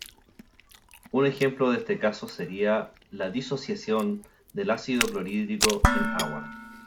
Un ejemplo de este caso sería la disociación del ácido clorhídrico en agua.